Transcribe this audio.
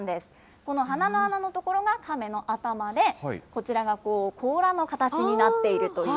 この鼻の穴のところがカメの頭で、こちらがこう、甲羅の形になっているという。